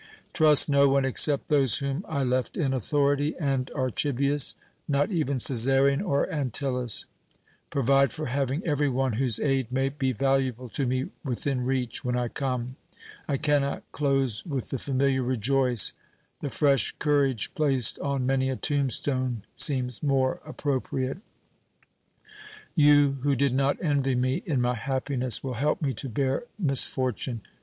Trust no one except those whom I left in authority, and Archibius, not even Cæsarion or Antyllus. Provide for having every one whose aid may be valuable to me within reach when I come. I cannot close with the familiar 'Rejoice' the 'Fresh Courage' placed on many a tombstone seems more appropriate. You who did not envy me in my happiness will help me to bear misfortune.